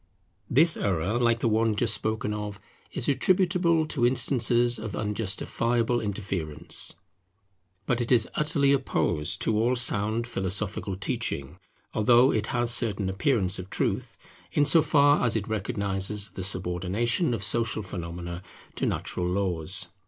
This error, like the one just spoken of, is attributable to instances of unjustifiable interference. But it is utterly opposed to all sound philosophical teaching, although it has a certain appearance of truth, in so far as it recognizes the subordination of social phenomena to natural laws.